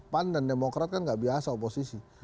pan dan demokrat kan nggak biasa oposisi